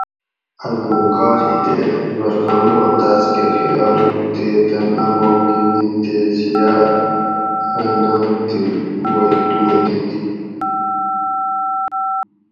اۤ ڔونکار ہی تے اکبرخاناں تاۤس کۤہ خیال ہُو تے تن ابام کۤہ دِیت تے ضیاۤ اۤ ناۤک تھی ووئ تُوہ دِت